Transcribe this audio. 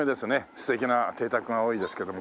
素敵な邸宅が多いですけども。